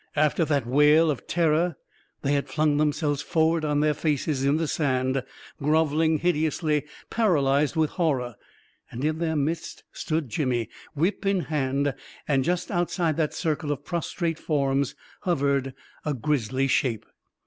After that wail of ter ror, they had flung themselves forward on their faces in the sand, grovelling hideously, paralyzed with horror; and in their midst stood Jimmy, whip in hand; and just outside that circle of prostrate forms hovered a grisly shape